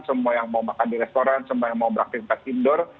semua yang mau makan di restoran semua yang mau beraktivitas indoor